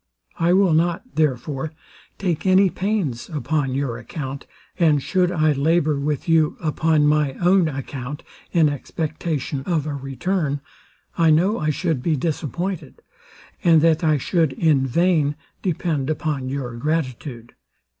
I will not, therefore, take any pains upon your account; and should I labour with you upon my own account, in expectation of a return, I know I should be disappointed, and that I should in vain depend upon your gratitude.